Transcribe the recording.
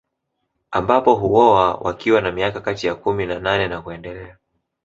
Ambapo huoa wakiwa na miaka kati ya kumi na nane na kuendelea